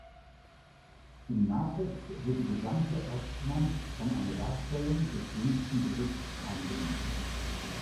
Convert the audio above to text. Im Narthex wird die gesamte Ostwand von einer Darstellung des Jüngsten Gerichts eingenommen.